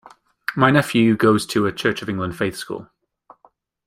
My nephew goes to a Church of England faith school